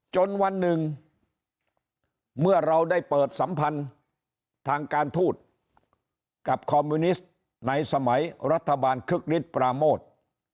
จนวันหนึ่งเมื่อเราได้เปิดสัมพันธ์ทางการทูตกับคอมมิวนิสต์ในสมัยรัฐบาลคึกฤทธิปราโมท